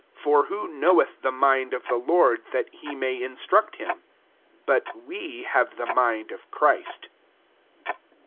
16 For who knoweth the mind of the Lord, that he may in struct him ?* But we have the mind of Christ.